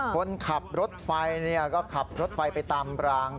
คนขับรถไฟก็ขับรถไฟไปตามราง